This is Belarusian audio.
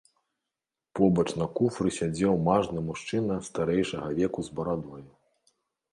Побач на куфры сядзеў мажны мужчына старэйшага веку з барадою.